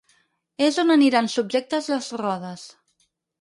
És on aniran subjectes les rodes.